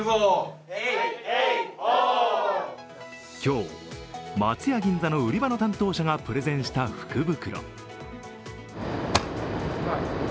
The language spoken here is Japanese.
今日、松屋銀座の売り場の担当者がプレゼンした福袋。